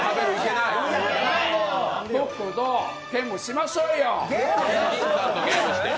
僕とゲームしましょうよ。